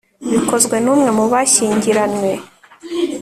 bikozwe n umwe mu bashyingiranywe